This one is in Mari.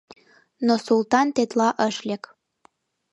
Но Султан тетла ыш лек.